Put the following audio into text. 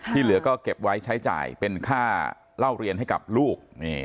เหลือก็เก็บไว้ใช้จ่ายเป็นค่าเล่าเรียนให้กับลูก